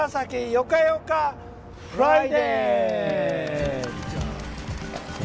「よかよかフライデー」。